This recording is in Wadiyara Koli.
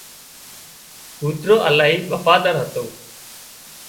ڪوترو الاهي وفادار هتو